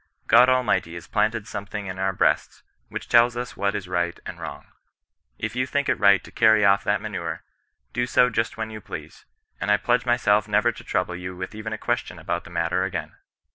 God Almighty has planted something in all our breasts which tells us what is right and wrong : if you think it right to cany off that manure, do so just when you please ; and I pledge myself never to trouble you with even a question about the matter again."